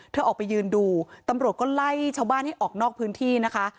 เธอออกไปยืนดูตำรวจก็ไล่ชาวบ้านให้ออกนอกพื้นที่นะคะ